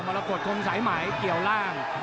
มาเรากดกรมสายไหมเกี่ยวร่าง